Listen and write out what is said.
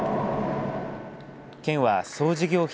県は総事業費